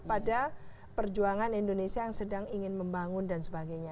pada perjuangan indonesia yang sedang ingin membangun dan sebagainya